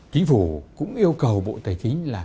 chính phủ cũng yêu cầu bộ tài chính